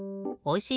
お！